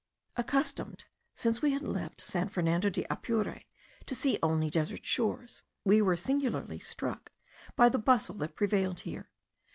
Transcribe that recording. Accustomed, since we had left San Fernando de Apure, to see only desert shores, we were singularly struck by the bustle that prevailed here.